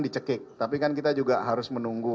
dicekik tapi kan kita juga harus menunggu